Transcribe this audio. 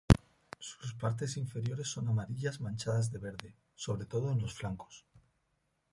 Sus partes inferiores son amarillas manchadas de verde, sobre todo en los flancos.